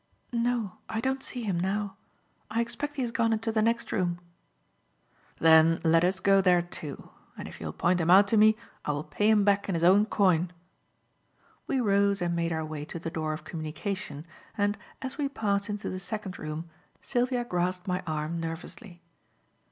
"No, I don't see him now. I expect he has gone into the next room." "Then let us go there, too; and if you will point him out to me, I will pay him back in his own coin." We rose and made our way to the door of communication, and, as we passed into the second room, Sylvia grasped my arm nervously.